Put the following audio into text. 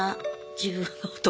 自分の男